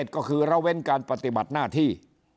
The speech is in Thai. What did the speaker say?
๑๕๗ก็คือรวินการปฏิบัติหน้าที่